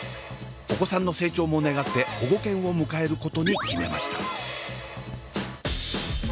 お子さんの成長も願って保護犬を迎えることに決めました。